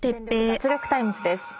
脱力タイムズ』です。